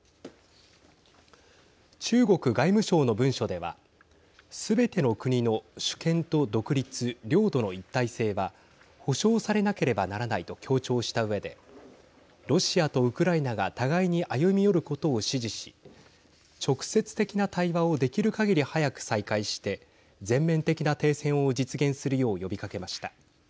中国外務省の文書ではすべての国の主権と独立領土の一体性は保障されなければならないと強調したうえでロシアとウクライナが互いに歩み寄ることを支持し直接的な対話をできるかぎり早く再開して全面的な停戦を実現するよう呼びかけました。